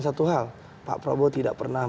satu hal pak prabowo tidak pernah